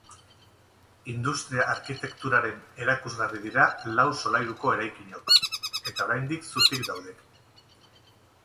Industria-arkitekturaren erakusgarri dira lau solairuko eraikinok, eta oraindik zutik daude.